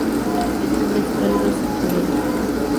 El clima es cálido subhúmedo.